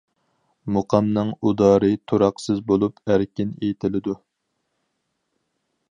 مۇقامنىڭ ئۇدارى تۇراقسىز بولۇپ ئەركىن ئېيتىلىدۇ.